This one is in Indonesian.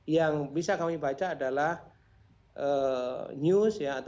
yang bisa kami baca adalah news ya